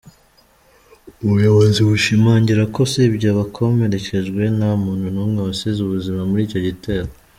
Ubuyobozi bushimangira ko usibye abakomerekejwe, nta muntu n’umwe wasize ubuzima muri icyo gitero.